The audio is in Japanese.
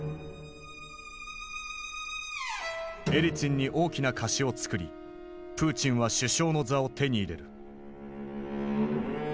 エリツィンに大きな貸しをつくりプーチンは首相の座を手に入れる。